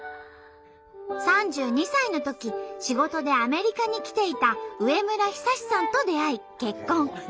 ３２歳のとき仕事でアメリカに来ていた植村久さんと出会い結婚。